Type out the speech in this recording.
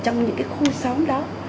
ở trong những khu xóm đó